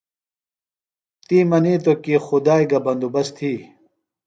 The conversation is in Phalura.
تی منِیتوۡ کی خدائی گہ بندوبست تھی۔